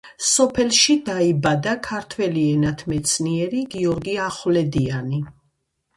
სოფელში დაიბადა ქართველი ენათმეცნიერი გიორგი ახვლედიანი.